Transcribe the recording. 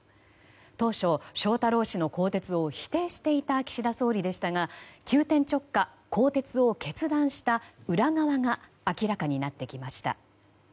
当初、翔太郎氏の更迭を否定していた岸田総理でしたが急転直下、更迭を決断した裏側が明らかになってきました。